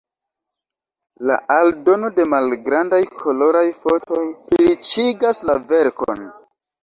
La aldono de malgrandaj koloraj fotoj pliriĉigas la verkon.